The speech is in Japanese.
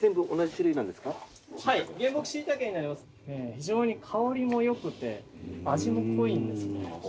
非常に香りも良くて味も濃いんですね。